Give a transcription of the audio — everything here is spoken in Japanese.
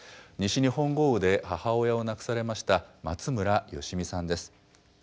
西日本豪雨で母親を亡くされました松村好美さんです。